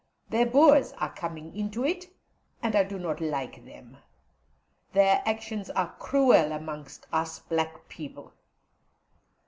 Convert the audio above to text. The Boers are coming into it, and I do not like them. Their actions are cruel among us black people.